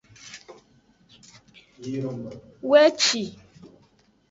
Weci.